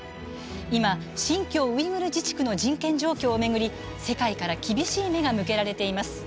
今、新疆ウイグル自治区の人権状況を巡り、世界から厳しい目が向けられています。